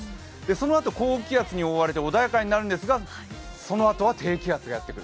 そのあと高気圧に覆われて穏やかになるんですがそのあとは低気圧がやってくる。